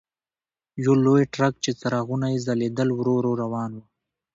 یو لوی ټرک چې څراغونه یې ځلېدل ورو ورو روان و.